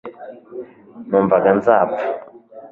numvaga nzapfa